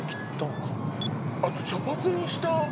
あと茶髪にした？